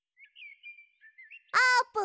あーぷんも！